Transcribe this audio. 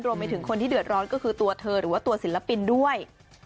รวมไปถึงคนที่เดือดร้อนก็คือตัวเธอหรือว่าตัวศิลปินด้วย